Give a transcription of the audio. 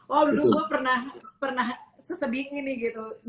wah dulu gue pernah seseding ini gitu